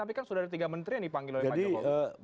tapi kan sudah ada tiga menteri yang dipanggil oleh pak jokowi